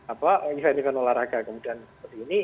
apa event event olahraga kemudian seperti ini